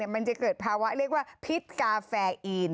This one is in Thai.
มันจะเกิดภาวะเรียกว่าพิษกาแฟอีน